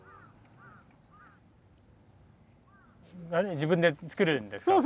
自分で作るんですか？